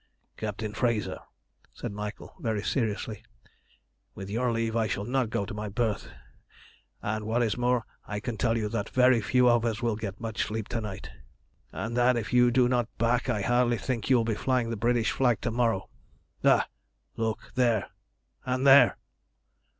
"Captain Frazer," said Michael very seriously, "with your leave I shall not go to my berth; and what is more, I can tell you that very few of us will get much sleep to night, and that if you do not back I hardly think you will be flying the British flag to morrow. Ha! look there and there!"